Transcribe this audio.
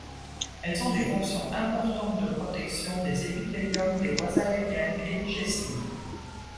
Elles ont des fonctions importantes de protection des épithéliums des voies aériennes et digestives.